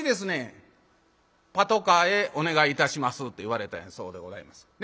「パトカーへお願いいたします」って言われたんやそうでございます。